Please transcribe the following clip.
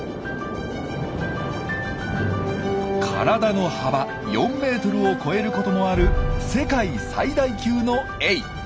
体の幅４ｍを超えることもある世界最大級のエイ。